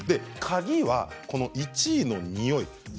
鍵はこの１位のにおい。